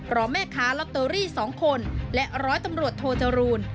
แม่ค้าลอตเตอรี่๒คนและร้อยตำรวจโทจรูล